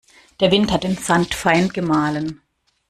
Der Wind hat den Sand fein gemahlen.